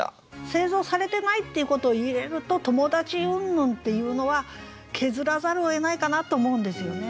製造されてないっていうことを入れると友達うんぬんっていうのは削らざるをえないかなと思うんですよね。